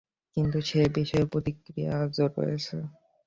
কিন্তু সেই বিষের প্রতিক্রিয়া আজও রয়েছে।